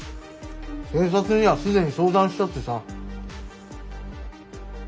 警察には既に相談したってさ。